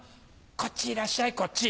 こっちいらっしゃいこっち。